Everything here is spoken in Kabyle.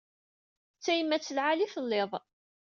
D tayemmat n lɛali i telliḍ.